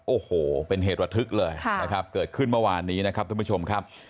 โอ้โหเป็นเหตุระทึกเลยนะครับเกิดขึ้นเมื่อวานนี้นะครับท่านผู้ชมครับ